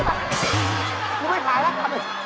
กูไม่ขายแล้ว